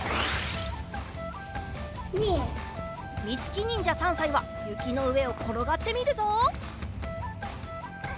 みつきにんじゃ３さいはゆきのうえをころがってみるぞ。